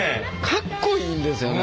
かっこいいんですよね。